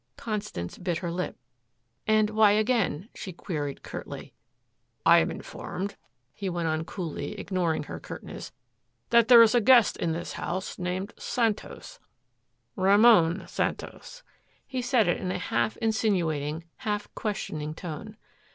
Constance bit her lip. "And why again?" she queried curtly. "I am informed," he went on coolly ignoring her curtness, "that there is a guest in this house named Santos Ramon Santos." He said it in a half insinuating, half questioning tone.